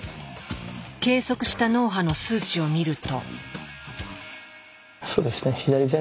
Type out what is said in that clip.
計測した脳波の数値を見ると。